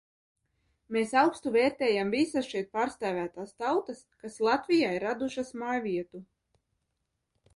Mēs augstu vērtējam visas šeit pārstāvētās tautas, kas Latvijā ir radušas mājvietu.